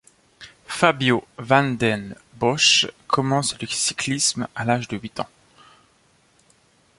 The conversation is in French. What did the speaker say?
Fabio Van den Bossche commence le cyclisme à l'âge de huit ans.